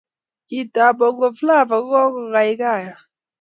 cheet ap bongo flava kokaikaiyo